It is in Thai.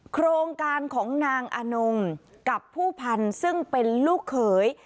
โครงการของนางอนงกับผู้พันธุ์ซึ่งเป็นลูกเขย